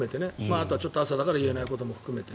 あとは朝だから言えないことも含めて。